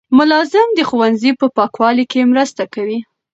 ملازم د ښوونځي په پاکوالي کې مرسته کوي.